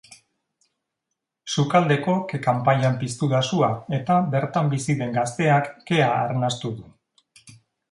Sukaldeko ke-kanpaian piztu da sua eta bertan bizi den gazteak kea arnastu du.